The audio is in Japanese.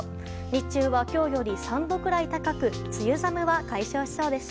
日中は、今日より３度くらい高く梅雨寒は解消しそうです。